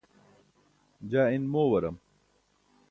jaa in moowaram